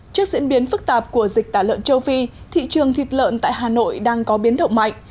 trước diễn biến phức tạp của dịch tả lợn châu phi thị trường thịt lợn tại hà nội đang có biến động mạnh